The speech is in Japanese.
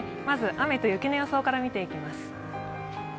まず雨と雪の予想から見ていきます。